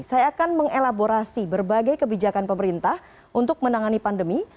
saya akan mengelaborasi berbagai kebijakan pemerintah untuk menangani pandemi